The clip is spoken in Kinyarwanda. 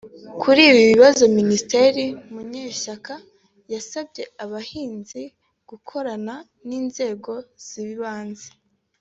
Kuri ibi bibazo Minisitiri Munyeshyaka yasabye abahinzi gukorana n’inzego z’ibanze